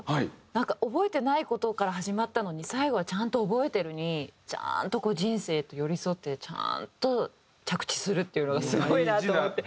なんか覚えてない事から始まったのに最後は「ちゃんと覚えてる」にちゃんと人生と寄り添ってちゃんと着地するっていうのがすごいなと思って。